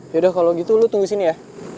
yaudah kalau gitu lu tunggu sini ya